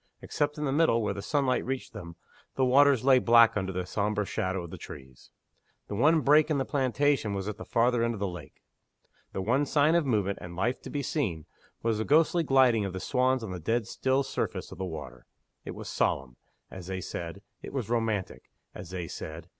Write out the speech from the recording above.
Except in the middle, where the sunlight reached them, the waters lay black under the sombre shadow of the trees. The one break in the plantation was at the farther end of the lake. The one sign of movement and life to be seen was the ghostly gliding of the swans on the dead still surface of the water. It was solemn as they said; it was romantic as they said.